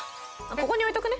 ここに置いとくね。